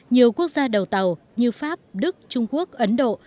nhiều quốc gia đầu tàu như pháp đức trung quốc ấn độ